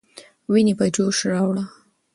ويني په جوش راوړه.